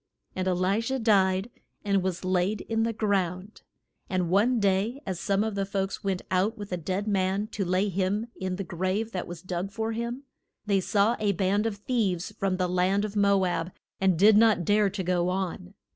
And E li sha died, and was laid in the ground. And one day as some of the folks went out with a dead man to lay him in the grave that was dug for him, they saw a band of thieves from the land of Mo ab and did not dare to go on.